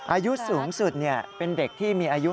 อายุสูงสุดเนี่ยเป็นเด็กที่มีอายุ๕๕ขวบ